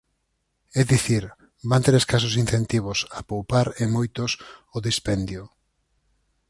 É dicir, van ter escasos incentivos a poupar e moitos ao dispendio.